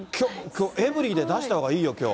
エブリィで出したほうがいいよ、きょう。